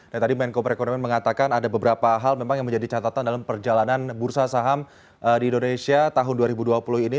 dan tadi menko perekonomian mengatakan ada beberapa hal memang yang menjadi catatan dalam perjalanan bursa saham di indonesia tahun dua ribu dua puluh ini